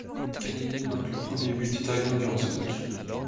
Canini marque le premier but italien durant ce match.